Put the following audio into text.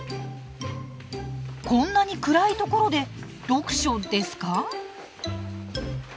こんなに暗いところで読書ですか？